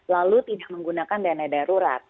lalu tidak menggunakan dana darurat